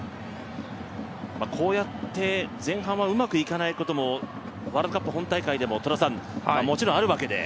こうやって前半はうまくいかないこともワールドカップ本大会でももちろんあるわけで。